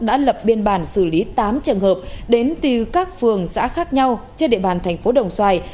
đã lập biên bản xử lý tám trường hợp đến từ các phường xã khác nhau trên địa bàn thành phố đồng xoài